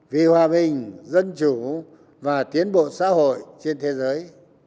vì hòa bình dân chủ và tiến bộ xã hội trên thế giới